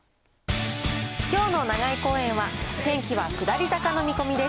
きょうの長居公園は、天気は下り坂の見込みです。